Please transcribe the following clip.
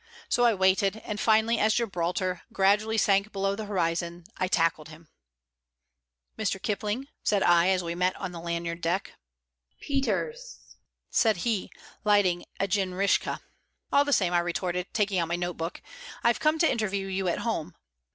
So I waited, and finally, as Gibraltar gradually sank below the horizon, I tackled him. [Illustration: ON THE LANYARD DECK] "Mr. Kipling?" said I, as we met on the lanyard deck. "Peters," said he, nervously, lighting a jinrikisha. "All the same," I retorted, taking out my note book, "I've come to interview you at home.